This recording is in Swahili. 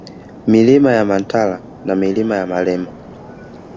Milima ya Mantala na Milima ya Marema